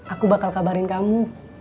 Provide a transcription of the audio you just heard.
aku bakal kabarin kamu